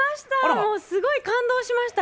もう、すごい感動しました。